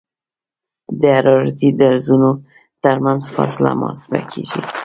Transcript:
د حرارتي درزونو ترمنځ فاصله محاسبه کیږي